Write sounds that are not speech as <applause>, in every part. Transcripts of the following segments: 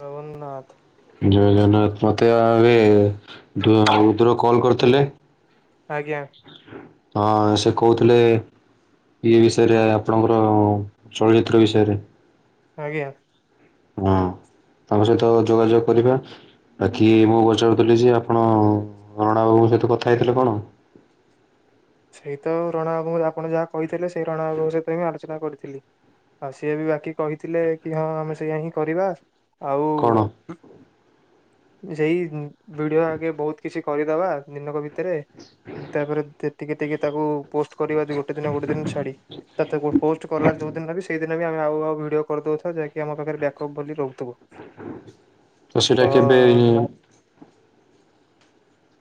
ରଘୁନ୍ନାଥ ଜୟ ଜଗନ୍ନାଥ ମତେ ଏବେ ରୁଦ୍ର କଲ କରିଥିଲେ। ଆଜ୍ଞା। ହଁ ସେ କହୁଥିଲେ। ଇଏ ବିଷୟରେ ଆପଣଙ୍କର ଚଳଚିତ୍ର ବିଷୟରେ ଆଜ୍ଞା। ହଁ ତମ ସହିତ ଯୋଗାଯୋଗ କରିବା। ବାକି ମୁଁ ପଚାରୁଥିଲି ଯେ ଆପଣ ରଣାବାବୁଙ୍କ ସହିତ କଥା ହେଇଥିଲେ କଣ? ସେହିତ ରଣାବାବୁ ଆପଣ ଯାହା କହିଥିଲେ ସେଇ ରଣାବାବୁଙ୍କ ସେଇଥି ପାଇଁ ହିଁ ଆ ଆଲୋଚନା କରିଥିଲି ଆଉ ସିଏ ବି ବାକି କହିଥିଲେ କି ହଁ ଆମେ ସେଇଆ ହିଁ କରିବା ଆଉ କଣ ସେଇ ଭିଡିଓ ଆଗେ ବହୁତ କିଛି କରିଦେବା ଦିନକ ଭିତରେ ତାପରେ ଯେତିକି ଟିକେ ତାକୁ ପୋଷ୍ଟ କରିବା ଗୋଟେ ଦିନ ଗୋଟେ ଦିନ ଛାଡ଼ି ତତେ ପୋଷ୍ଟ କଲା ଯୋଉ ଦିନ ସେଇଦିନ ଆମେ ଆଉ ଆଉ ଭିଡିଓ କରିଦଉଥିବା ଯାହାକି ଆମ ପାଖରେ ବ୍ୟାକଅପ ବୋଲି ରହୁଥିବ। ତ ସେଇଟା କେବେ ତା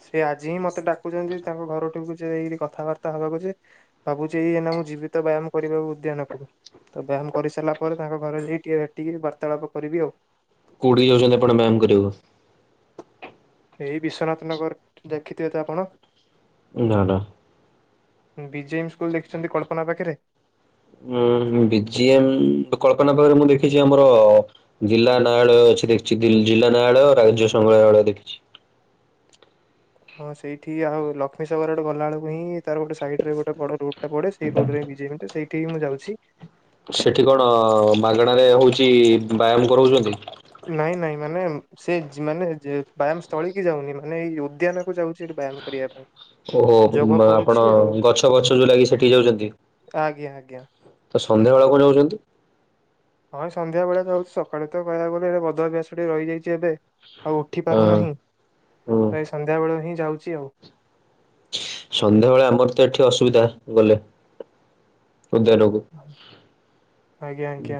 ସେ ଆଜି ହିଁ ମତେ ଡାକୁଛନ୍ତି ତାଙ୍କ ଘରଠିକୁ ଯାଇକିରି କଥାବାର୍ତ୍ତା ହବାକୁ ଯେ ଭାବୁଛି ଏଇନା ମୁଁ ଯିବିତ ବ୍ୟାୟାମ କରିବା ଉଦ୍ୟାନକୁ ତ ବ୍ୟାୟାମ କରିସାରିଲା ପରେ ତାଙ୍କ ଘରେ ଯାଇ ଟିକେ ଭେଟିକି ବାର୍ତ୍ତାଳାପ କରିବି ଆଉ। କୋଉଠିକି ଯାଉଛନ୍ତି ଆପଣ ବ୍ୟାୟାମ କରିବାକୁ? ଏଇ ବିଶ୍ୱନାଥ ନଗର ଦେଖିଥିବେ ତ ଆପଣ। ନା ନା ବିଜେଏମ୍ ସ୍କୁଲ ଦେଖିଛନ୍ତି କଳ୍ପନା ପାଖରେ ଉୁଁ ବିଜିଏମ୍ କଳ୍ପନା ପାଖରେ ମୁଁ ଦେଖିଛି ଆମର ଜିଲ୍ଲା ନ୍ୟାୟାଳୟ ଅଛି ଦେଖିଛି ଜିଲ୍ଲା ନ୍ୟାୟାଳୟ ରାଜ୍ୟ ସଂଗ୍ରହାଳୟ ଦେଖିଛି। ହଁ ସେଇଠି ଆଉ ଲକ୍ଷ୍ମୀସାଗର ଆଡ଼କୁ ଗଲାବେଳକୁ ହିଁ ତାର ଗୋଟେ ସାଇଡରେ ଗୋଟେ ବଡ ରୁ <unintelligible> ପଡ଼େ ସେଇ ରୋଡରେ ବିଜେଏମ ପଡ଼େ ତ ସେଇଠି ମୁଁ ଯାଉଛି। ସେଠି କଣ ମାଗଣାରେ ହଉଛି ବ୍ୟାୟାମ କରଉଛନ୍ତି? ନାଇଁ ନାଇଁ ମାନେ ସେ ମାନେ ବ୍ୟାୟାମସ୍ଥଳୀକି ଯାଉନି ମାନେ ଏଇ ଉଦ୍ୟାନକୁ ଯାଉଛି ବ୍ୟାୟାମ କରିବା ପାଇଁ। ଓ ଯୋଗ ଆପଣ କରୁଛି ଆଉ ଗଛ ପଛ ଯୋଉ ଲାଗିଛି ସେଠିକି ଯାଉଛନ୍ତି। ଆଜ୍ଞା ଆଜ୍ଞା। ତ ସନ୍ଧ୍ୟାବେଳ କଣ ଯାଉଛନ୍ତି? ହଁ, ସନ୍ଧ୍ୟାବେଳେ ଯାଉଛ୍, ସକାଳେ ତ କହିବାକୁ ଗଲେ ବଦଅଭ୍ୟାସ ଟେ ରହିଯାଇଛି ଏବେ। ଆଉ ଉଠି ହଁ ପାରୁନାହିଁ। ହୁଁ। ପ୍ରାୟ ସନ୍ଧ୍ୟାବେଳ ହିଁ ଯାଉଛି ଆଉ। ସନ୍ଧ୍ୟାବେଳେ ଆମର ତ ଏଠି ଅସୁବିଧା ଗଲେ, ଉଦ୍ୟାନକୁ। ଆଜ୍ଞା ଆଜ୍ଞା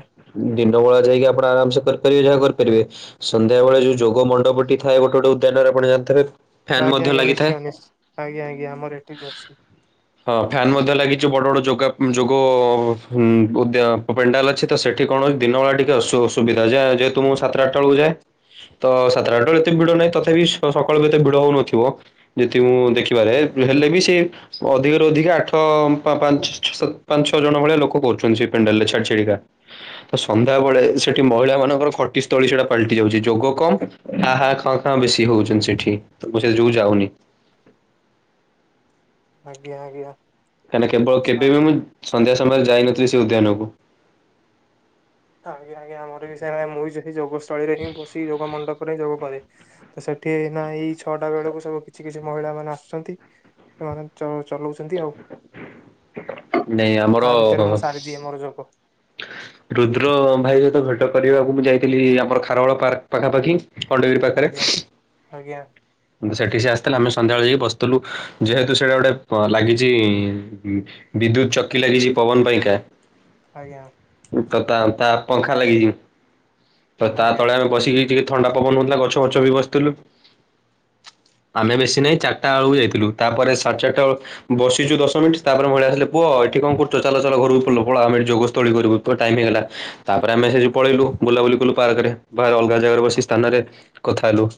ଦିନବେଳା ଯାଇକି ଆପଣ ଆରାମ୍ ସେ କରିପାରିବେ, ଯାହା କରିପାରିବେ। ସନ୍ଧ୍ୟାବେଳେ ଯୋଉ ଯୋଗ ମଣ୍ଡପଟି ଥାଏ ଗୋଟେ ଟେ ଉଦ୍ୟାନରେ ଆପଣ ଜାଣ୍ ଥେବେ। ଆଜ୍ଞା, ଆଜ୍ଞା ନିଶ୍ଚୟ ନିଶ୍ ଆଜ୍ଞା, ଆଜ୍ଞା, ଆମର ଏଠି ବି ଅଛି। ହଁ, ଫ୍ୟାନ୍ ମଧ୍ୟ ଲାଗିଛି ବଡ ବଡ ଯୋଗା, ଯୋଗ-ଅ ହୁଁ ଉଦ୍ୟ ପେଣ୍ଡାଲ ଅଛି ତ ସେଠି କଣ ଦିନବେଳା ଟିକେ ଅସୁ ଅସୁବିଧା ଯେ-ଯେହେତୁ, ମୁଁ ସାତଟା ଆଟ୍ ଟା ଅଳକୁ ଯାଏ। ତ ସାତଟା ଆଟା <unintelligible> ଏତେ ବି ଭିଡ ନାହିଁ, ତଥାପି ସ -ସକାଳୁ ଏତେ ଭିଡ ହଉନଥିବ। ଯେତିକି ମୁଁ ଦେଖିବାରେ, ହେଲେ ବି ସେ ଅଧିକରୁୁ ଅଧିକ ଆଠ ପା-ପାଞ୍ଚ ଛଅ ସାତ, ପାଞ୍ଚ ଛ ଜଣ ଭଳିଆ ଲୋକ କରୁଛନ୍ତି ସେ ପେଣ୍ଡାଲ ରେ ଛାଡି। ସେଠିକା, ତ ସନ୍ଧ୍ୟା ବେଳେ ସେଠି ମହିଳା ମାନଙ୍କର ଖଟିସ୍ଥଳୀ ସେଟା ପାଲ୍ ଟି ଯାଉଛି। ଯୋଗ କମ୍ ହା ହା ଖଁ ଖଁ ବେଶୀ ହଉଛନ୍ତି ସେଠି। ତ ମୁଁ ସେ ଯୋଗୁ ଯାଉନି। ଆଜ୍ଞା, ଆଜ୍ଞା।। କାହିଁନା କେବଳ ଆଚ୍ଛା କେବେ ବି ଆଚ୍ଛା ମୁଁ ସନ୍ଧ୍ୟା ସମୟରେ ଯାଇନଥିଲି ସେ ଉଦ୍ୟାନକୁ? ଆଜ୍ଞା, ଆଜ୍ଞା ଆମର ବି ସେୟା। ମୁଁ ବି ସେଇ ଯୋଗସ୍ଥଳୀରେ ହିଁ, ବସି ଯୋଗ ମଣ୍ଡପ ଯୋଗ କରେ, ତ ସେଠି ଏଇନା ଏଇ ଛଅଟା ବେଳକୁ ସବୁ କିଛି କିଛି ମହିଳା ମାନେ ଆସୁଛନ୍ତି। ସେମାନେ ଚ-ଚଲଉଚନ୍ତି ଆଉ। ନାଇଁ ତ, ଆମର ତା ଭିତରେ ମୁଁ ସାରିଦିଏ ମୋର ଯୋଗ। ରୁଦ୍ର ଭାଇ ସହିତ ଭେଟ କରିବାକୁ ମୁଁ ଯାଇଥିଲି ଆମର ଖାରବେଳ ପାର୍କ ପାଖାପାଖି ଖଣ୍ଡଗିରି ପାଖେରେ। ଆଜ୍ଞା ଆଜ୍ଞା ସେଠି ସିଏ ଆସିଥିଲେ ଆମେ ସନ୍ଧ୍ୟାବେଳେ ଯାଇ ବସିଥିଲୁ। ଯେହେତୁ ସେଇଟା ଗୋଟେ ପ ଲାଗିଚି-ଇଁ ବିଦ୍ୟୁତ୍ ଚକି ଲାଗିଚି ପବନ ପାଇଁକା। ଆଜ୍ଞା। ତ, ତା ତା ପଙ୍ଖା ଲାଗିଛି, ତ ତା ଆଜ୍ଞା ତଳେ ଆମେ ବସିକି ଟିକେ ଥଣ୍ଡା ପବନ ହଉଥିଲା, ଗଛ ଫଛ ବି ବସ୍ ଥିଲୁ। ଆମେ ବେଶୀ ନାହିଁ ଚାର୍ ଟା ଅଳକୁ ଯାଇଥିଲୁ, ତାପରେ ସାଢେ ଚାର୍ ଟା ଅ ବସିଚୁ ଦଶ ମିନ୍ଟି ତାପରେ, ମହିଳା ଆସିଲେ ପୁଅ ଏଠି କଣ କରୁଚ? ଚାଲ ଚାଲ ଘରକୁ ପଲ ପଳାଅ ଆମେ ଏଠି ଯୋଗ ସ ତୋଳି କରିବୁ। ପୁଅ ଟାଇମ୍ ହେଇଗଲା। ତା'ପରେ ଆମେ ସେଇଯୋଗୁ ପଳେଇଲୁ ବୁଲାବୁଲି କଲୁ ପାର୍କରେ, ବାହାରେ ଅଲଗା ଜାଗାରେ ବସି ସ୍ଥାନେରେ କଥା ହେଲୁ।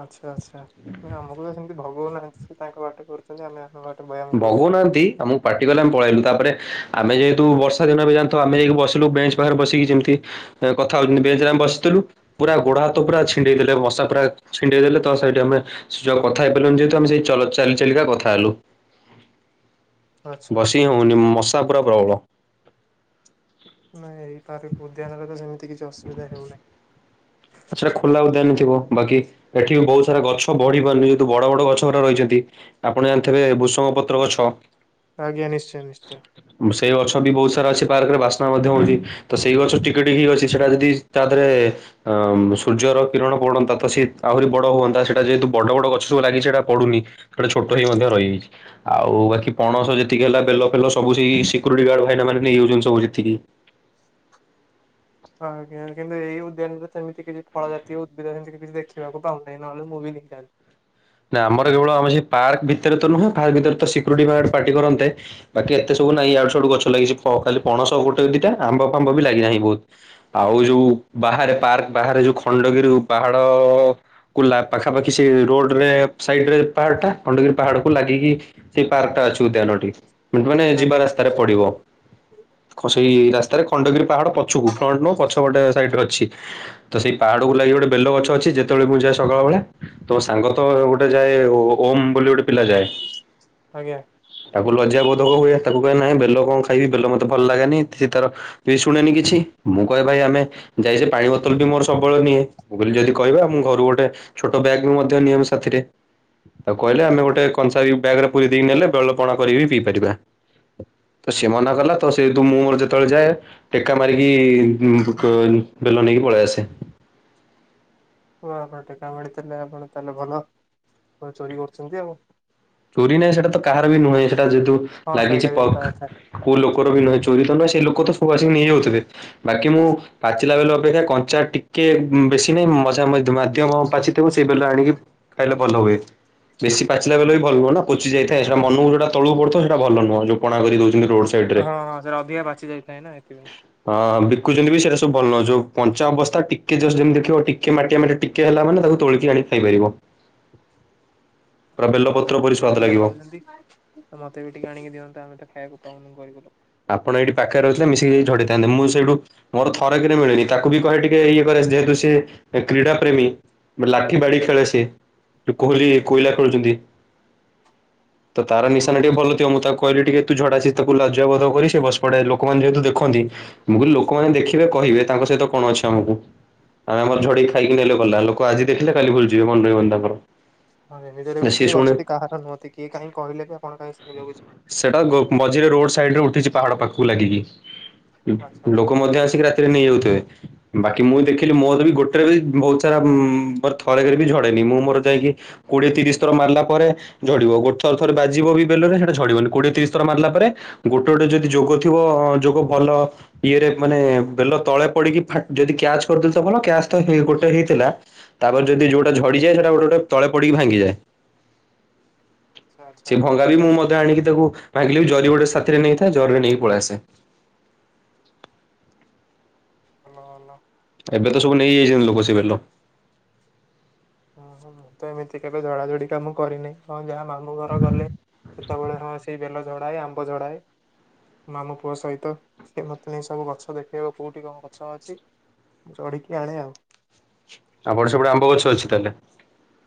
ଆଚ୍ଛା, ଆଚ୍ଛା, ଆମକୁ ତ ସେମିତି ଭଗଉ ନାହାଁନ୍ତି। ସେ ତାଙ୍କ ବାଟ କରୁଚନ୍ତି। ଆମେ ଆମ ବାଟ୍ ଭଗଉନାହାଁନ୍ତି, ଆମୁ ପାଟିକଲେ ଆମେ ପଳେଇଲୁ। ତା'ପରେ ଆମେ ଯେହେତୁ ବର୍ଷା ଦିନ ଏବେ ଜାଣ୍ ଥବ, ଆମେ ଯାଇିକି ବସିଲୁ ବେଞ୍ଚ୍ ପାଖରେ ବସିକି ଯେମ୍ ତି କଥା ହଉଚନ୍ତି, ବେଞ୍ଚ୍ ରେ ଆମେ ବସିଥିଲୁ ପୁରା ଗୋଡ ହାତ ପୁରା ଛିଣ୍ଡେଇ ଦେଲେ, ମଶା ପୁରା ଛିଣ୍ଡେଇ ଦେଲେ। ତ ସେଇଠି ଆମେ ସେ ଯଉ କଥା ହେଇପାଇଲୁନି ଯେହେତୁ, ଆମେ ସେଇ ଚଲ୍ ଚାଲି ଚାଲିକା କଥା ହେଲୁ। ଆଚ୍ଛା ବସି ଆଚ୍ଛା ହଉଁ ନି, ମଶା ପୁରା ପ୍ରବଳ। ନାଇଁ ଏଇ ପାର୍କ ଉଦ୍ୟାନରେ ତ ସେମିତି କିଛି ଅସୁବିଧା ହେଉନାହିଁ। ସେଟା ଖୋଲା ଉଦ୍ୟାନ ଥିବ। ବାକି ଏଠି ବି ବହୁତ୍ ସାରା ଗଛ ବଢି ପାରୁନି, ଯେହେତୁ ବଡ ବଡ ଗଛ ରା ରହିଛନ୍ତି। ଆପଣ ଜାଣିଥିବେ ଭୃଷଙ୍ଗ ପତ୍ର ଗଛ। ଆଜ୍ଞା, ନିଶ୍ଚୟ, ନିଶ୍ଚୟ। ସେଇ ଗଛ ବି ବହୁତ ସାରା ଅଛି ପାର୍କରେ ବାସ୍ନା ମଧ୍ୟ ହଉଚି। ତ ସେଇ ଗଛ ଟିକେ ଟିକି ହି ଅଛି, ସେଇଟା ଯଦି ତା ଧେରେ ଅଁ ସୂର୍ଯ୍ୟର କିରଣ ପଡ଼ନ୍ତା ତ ସେ ଆହୁରି ବଡ଼ ହୁଅନ୍ତା, ସେଇଟା ଯେହେତୁ ବଡ଼ ବଡ଼ ଗଛ ସବୁ ଲାଗି ସେଟା ପଡୁନି। ସେଟା ଛୋଟ ହେଇ ମଧ୍ୟ ରହିଯାଇଛି। ଆଉ ବାକି ପଣସ ଯେତିକି ହେଲା ବେଲ ଫେଲ ସବୁ ସେଇ ସିକ୍ୟୁରିଟି ଗାର୍ଡ ଭାଇନା ମାନେ ନେଇଯାଉଚନ୍ତି ସବୁ ଯେତିକି ହଁ ଆଜ୍ଞା କିନ୍ତୁ ଏଇ ଉଦ୍ୟାନରେ ସେମିତି କିଛି ଫଳ ଜାତୀୟ ଉଦ୍ଭିଦ ହେମତି ତ କିଛି ଦେଖିବାକୁ ପାଉନେଇଁ ନହେଲେ ମୁଁ ବି ନେଇଯାଆନ୍ତି। ନା ଆମର କେବଳ ଆମ ସେ ପାର୍କ ଭିତେରେ ତ ନୁହେଁ ପାର୍କ ଭିତରେ ତ ସିକ୍ୟୁରିଟି ଗାର୍ଡ ପାଟି କରନ୍ତେ। ବାକି ଏତେ ସବୁ ନାଇଁ ଇଆଡ଼ୁ ସିଆଡୁ ଗଛ ଲାଗିଚି ଫ ଖାଲି ପଣସ ଗୋଟେ ଦିଟା ଆମ୍ବ ଫାମ୍ବ ବି ଲାଗି ନାହିଁ ବହୁତ ଆଉ ଯୋଉ ବାହାରେ ପାର୍କ ବାହାରେ ଯୋଉ ଖଣ୍ଡଗିରୁ ପାହାଡ଼ ଅ ଅ ଅ କୁଲା ପାଖାପାଖି ସିଏ ରୋଡ଼ ଲେଫ୍ଟ ସାଇଡ଼ ରେ ପାହାଡ଼ ଟା ଖଣ୍ଡଗିରି ପାହାଡ଼ କୁ ଲାଗିକି ସେଇ ପାର୍କ ଟା ଅଛି ଉଦ୍ୟାନଟି। <unintelligible> ମାନେ ଯିବା ଆଜ୍ଞା ରାସ୍ତାରେ ପଡ଼ିବ। ଖ ସେଇ ରାସ୍ତାରେ ଖଣ୍ଡଗିରି ପାହାଡ଼ ପଛକୁ ଫ୍ରଣ୍ଟ ନୁହୁଁ ପଛ ପଟେ ସାଇଡ଼ ର ଅଛି। ତ ସେଇ ପାହାଡ଼କୁ ଲାଗି ଗୋଟେ ବେଲ ଗଛ ଅଛି ଯେତେବେଳେ ମୁଁ ଯାଏ ସକାଳ ବେଳା ତ ତାଙ୍କର ତ ଗୋଟେ ଯାଏ ଓ ଓମ୍ ବୋଲି ଗୋଟେ ପିଲା ଯାଏ। ଆଜ୍ଞା। ତାକୁ ଲଜ୍ୟା ବୋଧ ହୁଏ ତାକୁ କହେ ନାଇଁ ବେଲ କଣ ଖାଇବି ବେଲ ମତେ ଭଲ ଲାଗେନି ସିଏ ତାର କି ଶୁଣେନି କିଛି ମୁଁ କହେ ଭାଇ ଆମେ ଯାଇଚେ ପାଣି ବୋତଲ ବି ମୋର ସବୁବଳେ ନିଏ ବୋଲି ଯଦି କହିବା ମୁଁ ଘରୁ ଗୋଟେ ଛୋଟ ବ୍ୟାଗ୍ ବି ମୁଁ ମଧ୍ୟ ନିଏ ମୋ ସାଥିରେ ତାକୁ କହିଲେ ଆମେ ଗୋଟେ କଂସାରୀ ବ୍ୟାଗ ରେ ପୁରେଇ ଦେଇକି ନେଲେ ବେଳ ପଣା କରି ବି ପିଇପାରିବା ତ ସିଏ ମନା କଲା ତ ସେହେତୁ ମୁଁ ମୋର ଯେତବଳେ ଯାଏ ଟେକା ମାରିକି ଇ ଇ ମୁଁ ପକାଏନି ବେଲ ନେଇକି ପଳେ ଆସେ। ହଁ ହଁ ଟେକା ମାଡ଼ିଥିଲେ ଆପଣ ତାହେଲେ ଭଲ ଚୋରି କରୁଚନ୍ତି ଆଉ। ଚୋରି ନାଇଁ ସେଟା ତ କାହାର ବି ନୁହେଁ ସେଟା ଯେହେତୁ ହଁ ଲାଗିଚି ସେଇଟା ବି ସତ ପର୍କ କଥା କୋଉ ଲୋକର ବି ନୁହେଁ ଚୋରି ତ ନୁହେଁ ସେ ଲୋକ ତ ସବୁ ଆସିକି ନେଇଯାଉଥିବେ। ବାକି ମୁଁ ପାଚିଲା ବେଲ ଅପେକ୍ଷା କଞ୍ଚା ଟିକେ ବେଶି ନାଇଁ ମଝା ମଧ ମାଧ୍ୟମ ପାଚିଥିବ ସେଇ ବେଲ ଆଣିକି ଖାଇଲେ ଭଲ ହୁଏ ବେଶୀ ପାଚିଲା ବେଲ ବି ଭଲ ନୁହଁନା ପୋଚି ଯାଇଥାଏ ସେଟା ମନକୁ ଯୋଉଟା ତଳୁକୁ ପଡ଼ିଥିବ ସେଟା ଭଲ ନୁହଁ ଯୋଉ ପଣା କରି ଦଉଚନ୍ତି ରୋଡ଼ ସ ହଁ ହଁ ସେଟା ଅଧିକା ପାଚି ଯାଇଥାଏ ନା ଏଥିପାଇଁ। ହଁ ବିକୁଚନ୍ତି ବି ସେଇଟା ସବୁ ଭଲ ଯୋଉ ପଞ୍ଚା ଅବସ୍ଥା ଟିକେ ଜଷ୍ଟ ଯେମିତି ଦେଖିବ ଟି ମାଟିଆ ମାଟି ଟିକେ ହେଲା ମାନେ ତାକୁ ତୋଳିକି ଆଣିକି ଖାଇପାରିବ। ପୁରା ତାହେଲେ ବେଲପତ ଆପଣ ଏତେ ବେଲ ଖାଉଚନ୍ତି ତ ମତେ ବି ଟିକେ ଆଣିକି ଦିଅନ୍ତେ ଆମେ ତ ଖାଇବାକୁ ପାଉନୁ ଗରିବ ଲୋକ। ଆପଣ ଏଇଠି ପାଖରେ ରହୁଥିଲେ ମିଶିକି ଝଡ଼େଇଥାନ୍ତେ ମୁଁ ସେଇଠୁ ମୋର ଥର କିରେ ମିଳେନି ତାକୁ ବି କହେ ଟିକେ ଇଏ କରେ ଯେହେତୁ ସିଏ କ୍ରୀଡ଼ା ପ୍ରେମୀ। ଲାଠି ବାଡ଼ି ଖେଳେ ସିଏ ଯୋଉ କୋହଲି କୋଇଲା ଖୋଳୁଚନ୍ତି। ତ ତାର ନିଶାନା ଟିକେ ଓହୋ ଭଲଥିବ ମୁଁ ତାକୁ କହିଲି ଟିକେ ତୁ ଝଡା ସିଏ ତ ବୁଲା ଅଛୁ ଯା ବଧ କରି ସେ ବସ ପଡ଼େ ଲୋକମାନେ ଯେହେତୁ ଦେଖନ୍ତି ମୁଁ କହିଲି ଲୋକମାନେ ଦେଖ- କେବେ କହିବେ ତାଙ୍କ ସହିତ କଣ ଅଛି ଆମୁକୁ। ଆ ଆମର ଝଡେଇକି ଖାଇକି ନେଲେ ଗଲା ଲୋକ ଆଜି ଦେଖିଲେ କାଲି ଭୁଲିଯିବେ ମନେ ରହିବନି ତାଙ୍କର। ହଁ ଯେ ନିଜର ବି ସିଏ ସେ ଶୁଣେ ଗଛ ଟି କାହାର ନୁହନ୍ତି କିଏ କାହିଁ କହିଲେ ବି ଆପଣ କାହିଁ ଶୁଣିବାକୁ ଯିବେ। ସେଟା ଗୋ ମଝିରେ ରୋଡ ସାଇଡ ରେ ଉଠିଚି ପାହାଡ଼ ପାଖକୁ ଲାଗିକି ଆଚ୍ଛା ଲୋ ଆଚ୍ଛା ଲୋକ ମଧ୍ୟ ଆସିକି ରା ତିରେ ନେଇଯାଉଥିବେ ବାକି ମୁଁ ଦେଖିଲି ମୋର ବି ଗୋଟେରେ ବି ବହୁତ ସାରା ଉଁ ଉଁ ବର୍ଥ ପଳେଇଲେ ବି ଝଡ଼େନି ମୁଁ ମୋର ଯାଇକି କୋଡ଼ିଏ ତିରିଶ ଥର ମାରିଲା ପରେ ଝଡିବ ଗୋଟେ ଥର ଥରେ ବାଜିବ ବି ବେଲରେ ସେଟା ଝଡିବନି କୋଡିଏ ତିରିଶ ଥର ମାରିଲା ପରେ ଗୋଟେ ଗୋଟେ ଯଦି ଯୋଗ ଥିବ ହଁ ଯୋଗ ଭଲ ଇଏରେ ମାନେ ବେଲ ତଳେ ପଡିକି ଫା ଯଦି କ୍ୟାଚ କରିଦେଲୁ ତ ଭଲ କ୍ୟାଚ ତ ଗୋଟେ ହେଇଥିଲା। ତାପରେ ଯଦି ଯୋଉଟା ଝଡ଼ିଯାଏ ସେଟା ଗୋଟେ ଗୋଟେ ତଳେ ପଡି ଭାଙ୍ଗିଯାଏ। ଆଚ୍ଛା ଆଚ୍ଛା ସେ ଭଙ୍ଗାରେ ବି ମୁଁ ମଧ୍ୟ ଆଣିକି ତାକୁ ଭାଙ୍ଗିଲେ ବି ଯ ଗୋଟେ ସା ଏଥିରେ ନେଇଥାଏ। ଜରିରେ ନେଇକି ପଳେଇ ଆସେ। Hello hello. ଏବେ ତ ସବୁ ନେଇଯାଇଛନ୍ତି ଲୋକ ସେ ବେଲ। ମୁଁ ମୁଁ ତ ଏମିତି କେବେ ଝଡ଼ାଝଡ଼ି କାମ କରିନି ହଁ ଯାହା ମାମୁଁ ଘର ଗଲେ ସେତେବେଳେ ହଁ ସେଇ ବେଲ ଝଡାଏ ଆମ୍ବ ଝଡାଏ। ମାମୁ ପୁଅ ସହିତ ସେ ମତେ ନେଇ ସବୁ ଗଛ ଦେଖେଇବ। କୋଉଠି କଣ ଗଛ ଅଛି। ଚଢିକି ଆଣେ ଆଉ। ଆପଣ ସେପଟେ ଆମ୍ବ ଗଛ ଅଛି ତାହେଲେ?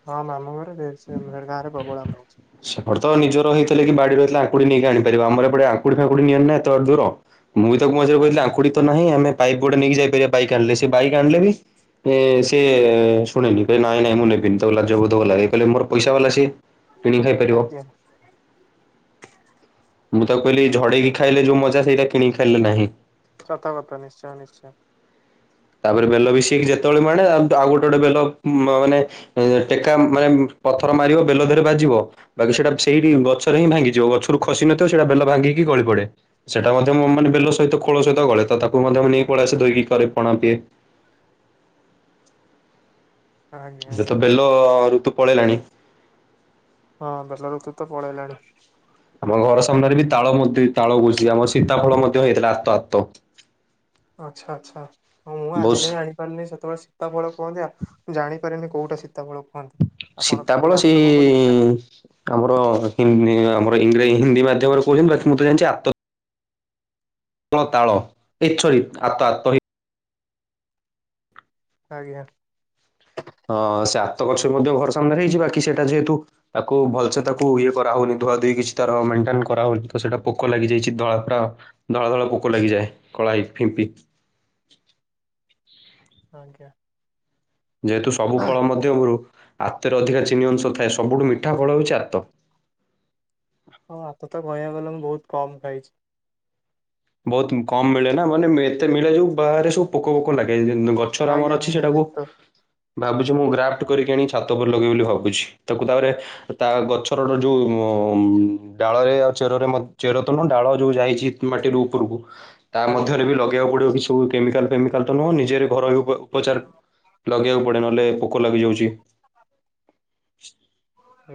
ହଁ ମାମୁ ଘର ଢେରସେମରେ ଗାଁରେ ପ୍ରବଳ ଆମ୍ବ ଅଛି ସେପଟେ ତ ନିଜର ହେଇଥିଲେ କି ବାଡି ରହିଥିଲେ ଆଙ୍କୁୁଡି ନେଇକି ଆଣିପାରିବ। ଆମର ଏପଟେ ଆଙ୍କୁଡ଼ି ଫାଙ୍କୁଡି ନିଅନ୍ତି ନା ଏତେ ବାଟ ଦୂର। ମୁଁ ବି ତାକୁ ମଝିରେ କହିଥିଲି ଆଜ୍ଞା ଆଙ୍କୁୁଡି ତ ନାହିଁ। ଆମେ ପାଇପ ଗୋଟେ ନେଇକି ଯାଇପାରିବା ବାଇକ୍ ଆଣିଲେ ସେ ବାଇକ୍ ଆଣିଲେନି। ଏ ସେ ଶୁଣେନି କହିବ ନାଇଁ ନାଇଁ ମୁଁ ନେବିନି ତାକୁ ଲାଜ ବହୁତ୍ ଭଲ ଲାଗେ। କହିଲେ ମୋର ପଇସା ବାଲା ସିଏ କିଣିକି ଖାଇପାରିବ। ଆଜ୍ଞା। ମୁଁ ତାକୁ କହିଲି ଝଡେଇକି ଖାଇଲେ ଯୋଉ ମଜା ସେଟା କିଣିକି ଖାଇଲେ ନାହିଁ। ସତ କଥା ନିଶ୍ଚୟ ନିଶ୍ଚୟ। ତାପରେ ବେଲ ମିଶେଇକି ଯେତେବେଳେ ମୁଁ ଆଣେଆଉ ଗୋଟେ ଗୋଟେ ବେଲ ମାନେ ଏ ଟେକା ମାନେ ପଥର ମାରିବ ବେଲ ଦେହରେ ବାଜିବ। ବାକି ସେଇଟା ସେଇ ଗଛରେ ହିଁ ଭାଙ୍ଗିଯିବ। ଗଛରୁ ଖସି ନଥିବ ସେଇଟା ବେଲ ଭାଙ୍ଗିକି ଗଳି ପଡେ। ସେଟା ମଧ୍ୟମୁ ମୁଁ ମାନେ ବେଲ ସହିତ ଖୋଳ ସହିତ ଗଳେ ତ ତାକୁ ମଧ୍ୟ ନେଇକି ପଳେଇ ଆସେ ଧୋଇକି କରେ ପଣା ପିଏ। ଆଜ୍ଞା ଆଜ୍ଞା ସେତ ବେଲ ଋତୁ ପଳେଇଲାଣି। ହଁ ବେଲ ଋତୁ ତ ପଳେଇଲାଣି। ଆମ ଘର ସାମ୍ନାରେ ବି ତାଳ ମୋଦି ତାଳ ବୁଝି ଆମର ସୀତାଫଳ ମଧ୍ୟ ହେଇଥିଲା ଆତ ଆତ୍ତ। ଆଚ୍ଛା ଆଚ୍ଛା ମୁଁ ଆଜି ବହୁତ ଯାଇ ଆଣିବି। ଜାଣିନି ସେତେବେଳେ ସୀତା ଫଳ କୁହନ୍ତି ଆ ମୁଁ ଜାଣିପାରେନି କୋଉଟା ସୀତା ଫଳ କୁହନ୍ତି। ଆପଣ କହିଲେ ସୀତାଫଳ ସେଇ ଆତକୁ ଆମର ହି ଆମର ଇଂ ହିନ୍ଦୀ ମାଧ୍ୟମରେ କହୁଚନ୍ତି ବାକି ମୁଁ ତ ଜାଣିଚି ଆତ। ହଁ ତାଳ ଏଛୋଇ ଆତ ଆତହି। ଆଜ୍ଞା। ହଁ ସେ ଆତ ଗଛ ମଧ୍ୟ ଘର ସାମ୍ନାରେ ହେଇଚି। ବାକି ସେଇଟା ଯେହେତୁ ତାକୁ ଭଲସେ୍ ତାକୁ ଇଏ କରାହୋଉନି। ଧୁଆ ଧୋଇ କିଛି ତାର ମେଣ୍ଟେନ୍ କରାହୋଉନି ତ ସେଇଟା ପୋକ ଲାଗିଯାଇଚି ଧଳା ପୁରା ଧଳା ଧଳା ପୋକ ଲାଗିଯାଏ। କଳାଇ ଫିମ୍ପି। ଆଜ୍ଞା। ଯେହେତୁ ସବୁ ଫଳ ମଧ୍ୟମରୁ ଆତରେ ଅଧିକା ଚିନି ଅଂଶ ଥାଏ। ସବୁଠୁ ମିଠା ଫଳ ହୋଉଚି ଆତ। ଆଉ ଆତ ତ ବୟାବଲମ୍ ବହୁତ୍ କମ ଖାଇଚି। ବହୁତ୍ କମ ମିଳେ ନା ମାନେ ଏତେ ମିଳେ ଯୋଉ ବାହାରେ ସବୁ ପୋକ ଫୋକ ଲାଗେଯାଇଛନ୍ତି। ଗ ପଛରେ ଆମର ଆଜ୍ଞା ଅଛି ସେଟାକୁ ଆଜ୍ଞା ତ ଭାବୁଛି ମୁଁ ଗ୍ରାଫ୍ଟ କରିକି ଆଣି ଛାତ ଉପରେ ଲଗେଇବି ବୋଲି ଭାବୁଛି ତାକୁ ତାପରେ ତା ଗଛର ଯୋଉ ଡାଳରେ ଆଉ ଚେରରେ ଚେର ତନୁହ ଡାଳରେ ଯୋଉ ଯାଇଚି। ମାଟିରୁ ଉପରକୁ ତା ଆଜ୍ଞା ମଧ୍ୟରେ ବି ଲଗେଇବାକୁ ପଡିବ କିଛି। ତୁ କେମିକାଲ ଫେମିକାଲ ତ ନୁହଁ ନିଜରେ ଘର ଆଗ ବପଚାର ଲଗେଇବାକୁ ପଡେ ନହେଲେ ପୋକ ଲାଗି ଯାଉଚି।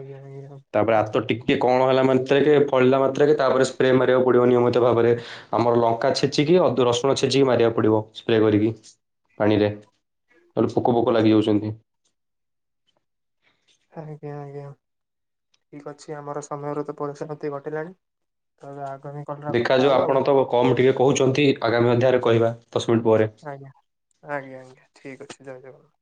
ଆଜ୍ଞା ଏର। ତାପରେ ଆତ ଟିକିଏ କଅଁଳ ହେଲା ମାତ୍ରକେ ଫଳିଲା ମାତ୍ରକେ ତାପରେ ସ୍ପ୍ରେ ମାରିବାକୁ ପଡିବ ନିୟମିତ ଭାବରେ। ଆମର ଲଙ୍କା ଛେଚିକି ଅ ରସୁଣ ଛେଚିକି ମାରିବାକୁ ପଡିବ। ସ୍ପ୍ରେ କରିକି ପାଣିରେ ତେଣୁ ପୋକ ଫୋକ ଲାଗିଯାଉଚନ୍ତି। ଆଜ୍ଞା ଆଜ୍ଞା। ଠିକ୍ ଅଛି ଆମର ସମୟରୁ ତ ପରିସମାପ୍ତି ଘଟିଲାଣି ତ ଏବେ ଆଗାମୀ କଲରେ କଥା ଦେଖାଯାଉ ହବା ଆଉ। ଆପଣ ତ କମ୍ ଟିକେ କହୁଛନ୍ତି ଆଗାମୀ ଅଧ୍ୟାୟରେ କହିବା ଦଶ ମିନିଟ୍ ପରେ। ଆଜ୍ଞା ଆଜ୍ଞା ଆଜ୍ଞା ଠିକ୍ ଅଛି ଜୟ ଜଗନ୍ନାଥ।